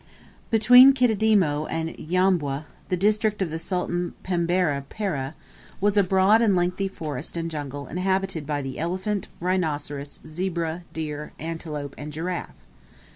Between Kididimo and Nyambwa, the district of the Sultan Pembera Pereh, was a broad and lengthy forest and jungle inhabited by the elephant, rhinoceros, zebra, deer, antelope, and giraffe.